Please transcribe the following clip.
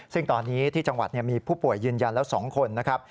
ซึ่งตอนนี้ที่จังหวัดมีผู้ป่วยยืนยันแล้ว๒คนนะครับ